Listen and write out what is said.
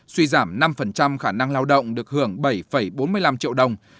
suy giảm năm khả năng lao động được hưởng bảy bốn mươi năm triệu đồng